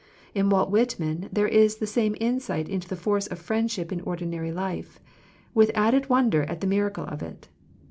In Walt Whitman there is the same in* sight into the force of friendship in ordi nary life, with added wonder at the miracle of it.